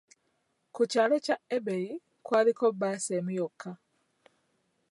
Ku kyaalo kya Ebei kwaliko bbaasi emu yokka.